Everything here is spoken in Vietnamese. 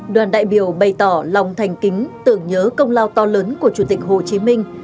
đoàn đại biểu bày tỏ lòng thành kính tưởng nhớ công lao to lớn của chủ tịch hồ chí minh